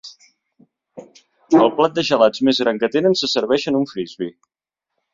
El plat de gelats més gran que tenen se serveix en un Frisbee.